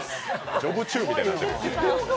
「ジョブチューン」みたいになってる。